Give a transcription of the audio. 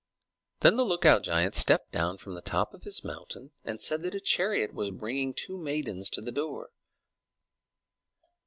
Then the lookout giant stepped down from the top of his mountain, and said that a chariot was bringing two maidens to the door.